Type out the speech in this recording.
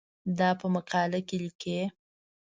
دا په مقاله کې لیکې.